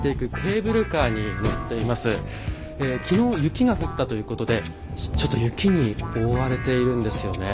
昨日雪が降ったということでちょっと雪に覆われているんですよね。